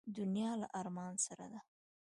دنیا له ارمان سره ده.